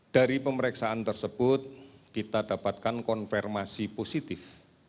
dari pemeriksaan tersebut kita dapatkan konfirmasi positif